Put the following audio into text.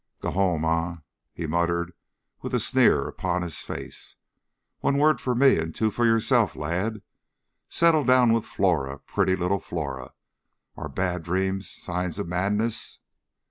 "Get home, eh?" he muttered, with a sneer upon his face. "One word for me and two for yourself, lad. Settle down with Flora pretty little Flora. Are bad dreams signs of madness?"